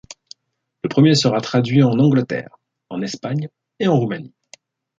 Le premier sera traduit en Angleterre, en Espagne et en Roumanie.